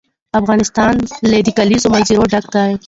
افغانستان له د کلیزو منظره ډک دی.